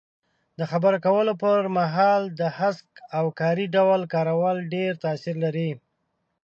د خبرو کولو پر مهال د هسک او کاري ډول کارول ډېر تاثیر لري.